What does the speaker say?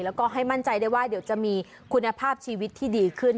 แล้วก็ให้มั่นใจได้ว่าเดี๋ยวจะมีคุณภาพชีวิตที่ดีขึ้น